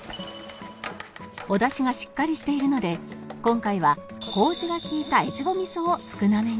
お出汁がしっかりしているので今回は麹が利いた越後味噌を少なめに